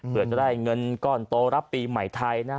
เพื่อจะได้เงินก้อนโตรับปีใหม่ไทยนะ